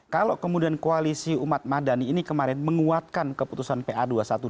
kalau kemudian koalisi umat madani ini kemarin menguatkan keputusan pa dua ratus dua belas